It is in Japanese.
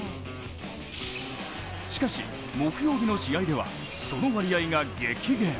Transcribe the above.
しかし木曜日の試合ではその割合が激減。